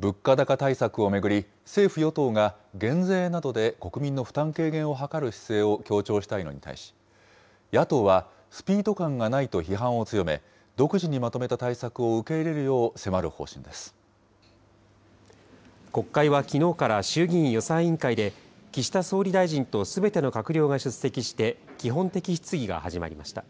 物価高対策を巡り、政府・与党が減税などで国民の負担軽減を図る姿勢を強調したいのに対し、野党はスピード感がないと批判を強め、独自にまとめた対国会はきのうから衆議院予算委員会で、岸田総理大臣とすべての閣僚が出席して、基本的質疑が始まりました。